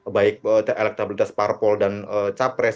baik elektabilitas parpol dan capres